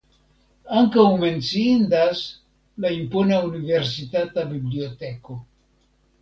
Ankaŭ menciindas la impona universitata biblioteko.